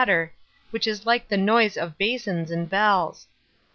ter, which is like the noise of basins and bells.